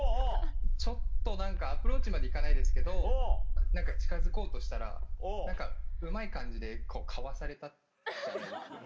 ちょっと何かアプローチまで行かないですけど何か近づこうとしたらうまい感じでかわされたじゃないですけど。